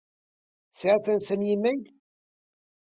Tesεiḍ tansa n yimayl?